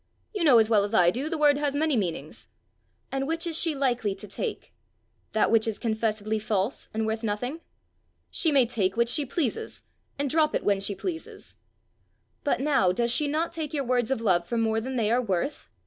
"You know as well as I do the word has many meanings!" "And which is she likely to take? That which is confessedly false and worth nothing?" "She may take which she pleases, and drop it when she pleases." "But now, does she not take your words of love for more than they are worth?"